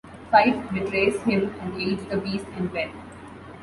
Fife betrays him and aids the Beast and Belle.